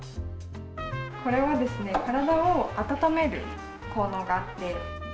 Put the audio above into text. これは体を温める効能があって。